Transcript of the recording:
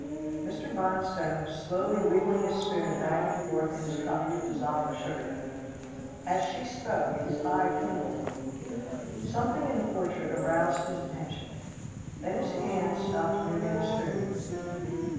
Mr. Bonstone was slowly wiggling his spoon back and forth in his cup to dissolve the sugar. As she spoke, his eye kindled. Something in the portrait aroused his attention. Then his hand stopped moving the spoon.